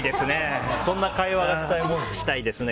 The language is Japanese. そんな会話がしたいもんですね。